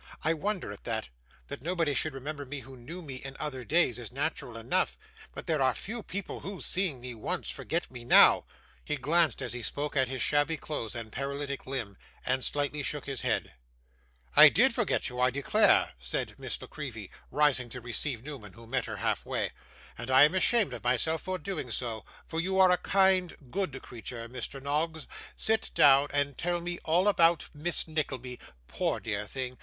'I wonder at that. That nobody should remember me who knew me in other days, is natural enough; but there are few people who, seeing me once, forget me NOW.' He glanced, as he spoke, at his shabby clothes and paralytic limb, and slightly shook his head. 'I did forget you, I declare,' said Miss La Creevy, rising to receive Newman, who met her half way, 'and I am ashamed of myself for doing so; for you are a kind, good creature, Mr. Noggs. Sit down and tell me all about Miss Nickleby. Poor dear thing!